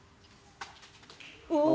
お！